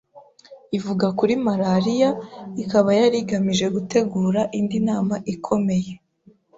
ivuga kuri malariya, ikaba yari igamije gutegura indi nama ikomeye